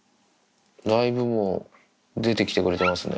だいぶもう出て来てくれてますね。